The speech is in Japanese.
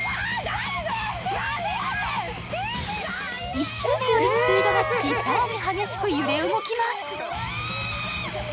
１周目よりスピードがつき、更に激しく揺れ動きます。